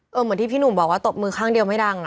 เหมือนที่พี่หนุ่มบอกว่าตบมือข้างเดียวไม่ดัง